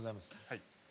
はい。